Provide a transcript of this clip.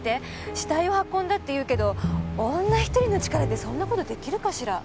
死体を運んだっていうけど女一人の力でそんな事できるかしら？